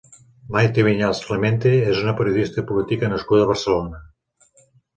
Maite Viñals Clemente és una periodista i política nascuda a Barcelona.